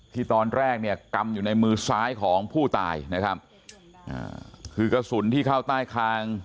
ที่ตอนแรกเนี่ยกำอยู่ในมือซ้ายของผู้ตายนะครับอ่าคือกระสุนที่เข้าใต้คาง